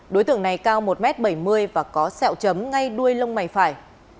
đối tượng này cao một m bảy mươi và có sẹo chấm ngay đuôi lông mày phải